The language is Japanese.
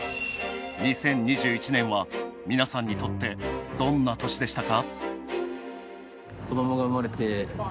２０２１年は皆さんにとってどんな年でしたか？